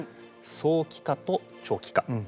「早期化と長期化」